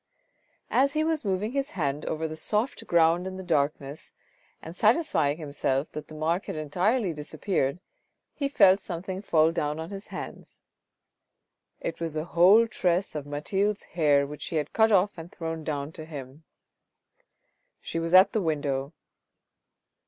As he was moving his hand over the soft ground in the darkness and satisfying himself that the mark had entirely dis appeared, he felt something fall down on his hands. It was a whole tress of Mathilde's hair which she had cut off and thrown down to him. She was at the window.